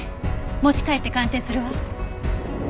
持ち帰って鑑定するわ。